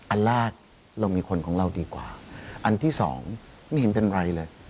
อันแรกเรามีคนของเราดีกว่าอันที่สองไม่เห็นเป็นไรเลย